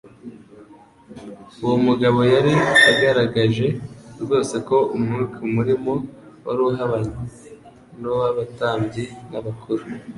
uwo mugabo yari agaragaje rwose ko umwuka umurimo wari uhabanye n'uw'abatambyi n'abakuru.